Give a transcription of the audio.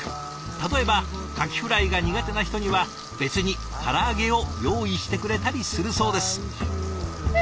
例えばかきフライが苦手な人には別にから揚げを用意してくれたりするそうです。